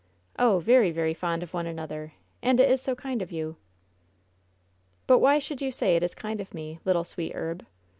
"Oh, very, very fond of one another, and it is so kind of you! "But why should you say it is kind of me, little sweet herb?